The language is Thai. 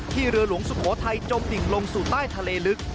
เรือหลวงสุโขทัยจมดิ่งลงสู่ใต้ทะเลลึก